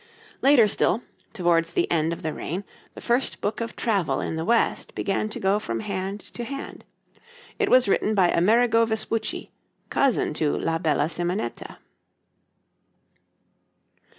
Later still, towards the end of the reign, the first book of travel in the West began to go from hand to hand it was written by Amerigo Vespucci, cousin to La Bella Simonetta.